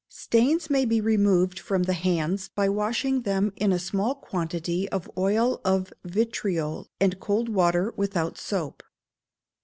Stains may be removed from the hands by washing them in a small quantity of oil of vitriol and cold water without soap.